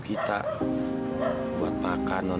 kita buat makan nona